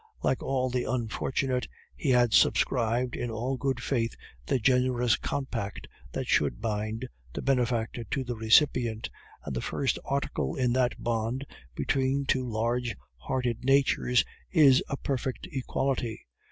Like all the unfortunate, he had subscribed, in all good faith, the generous compact which should bind the benefactor to the recipient, and the first article in that bond, between two large hearted natures, is a perfect equality.